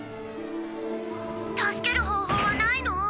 助ける方法はないの？